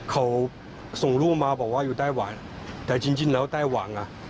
เขาส่งรูปมาบอกว่าอยู่ไต้หวันแต่จริงจริงแล้วไต้หวันอ่ะ